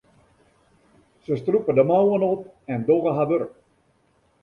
Se strûpe de mouwen op en dogge har wurk.